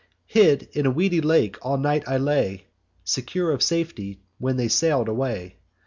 Hid in a weedy lake all night I lay, Secure of safety when they sail'd away.